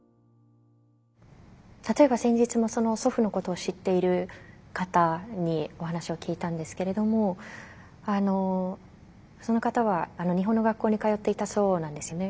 例えば先日も祖父のことを知っている方にお話を聞いたんですけれどもその方は日本の学校に通っていたそうなんですよね。